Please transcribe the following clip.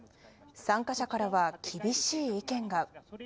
参加者からは、厳しい意見が。